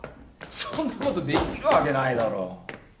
そんなことできるわけないだろ。